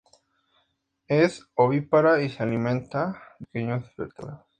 Es ovípara y se alimenta de pequeños vertebrados.